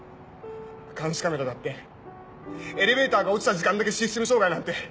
監視カメラだってエレベーターが落ちた時間だけシステム障害なんて。